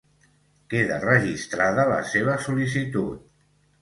Queda registrada la seva sol•licitud.